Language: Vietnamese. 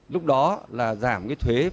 lúc đó là giảm thuế vnh